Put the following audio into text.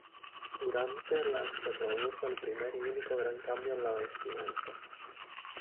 Durante la se produjo el primer y único gran cambio en la vestimenta.